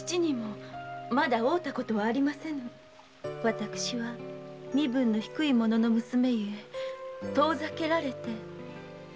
私は身分の低い者の娘ゆえ遠ざけられて。